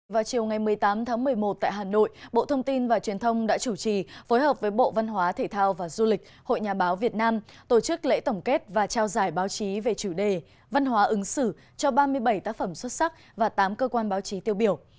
vào chiều ngày một mươi tám tháng một mươi một tại hà nội bộ thông tin và truyền thông đã chủ trì phối hợp với bộ văn hóa thể thao và du lịch hội nhà báo việt nam tổ chức lễ tổng kết và trao giải báo chí về chủ đề văn hóa ứng xử cho ba mươi bảy tác phẩm xuất sắc và tám cơ quan báo chí tiêu biểu